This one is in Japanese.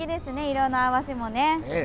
色の合わせもね。